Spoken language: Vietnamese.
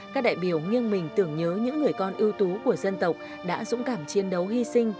các đại biểu nghiêng mình tưởng nhớ những người con ưu tú của dân tộc đã dũng cảm chiến đấu hy sinh